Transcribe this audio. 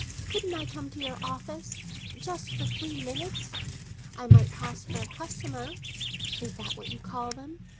Couldn't I come to your office?—just for three minutes? I might pass for a customer—is that what you call them?